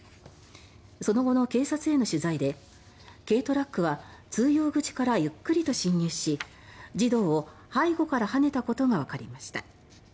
その後の警察への取材で軽トラックは通用口からゆっくりと侵入し児童を背後からはねたことがわかりました。